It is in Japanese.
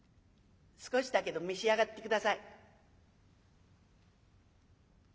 少しだけど召し上がって下さい」。